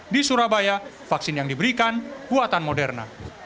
di surabaya vaksin yang diberikan buatan moderna